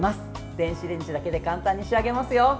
電子レンジだけで簡単に仕上げますよ！